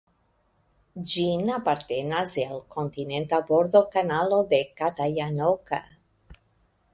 Ĝin apartenas el kontinenta bordo Kanalo de Katajanokka.